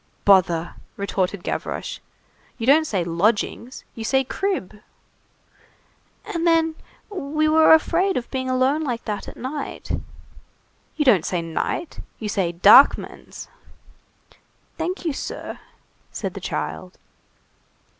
"Bother!" retorted Gavroche, "you don't say 'lodgings,' you say 'crib.'" "And then, we were afraid of being alone like that at night." "You don't say 'night,' you say 'darkmans.'" "Thank you, sir," said the child.